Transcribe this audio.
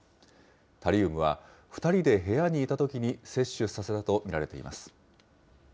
タリウムは２人で部屋にいたときに摂取させたと見られています。